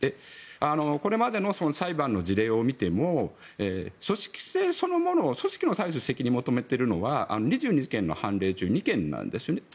これまでの裁判の事例を見ても組織性そのもののことを求めているのは２２事件の凡例中２件なんですね。